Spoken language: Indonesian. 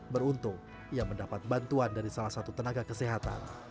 beruntung ia mendapat bantuan dari salah satu tenaga kesehatan